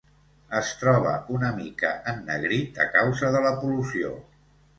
Es troba una mica ennegrit a causa de la pol·lució.